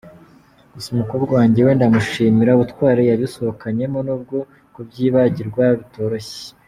Gusa umukobwa wanjye we ndamushimira ubutwari yabisohokanyemo n’ubwo kubyibagirwa bitoroshye.